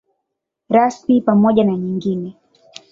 Rasmi pamoja na nyingine.